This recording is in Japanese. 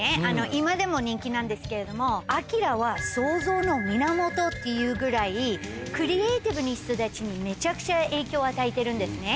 今でも人気なんですけれども、ＡＫＩＲＡは想像の源っていうぐらい、クリエーティブな人たちにめちゃくちゃ影響を与えているんですね。